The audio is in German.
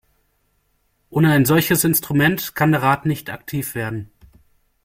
Ohne ein solches Instrument kann der Rat nicht aktiv werden.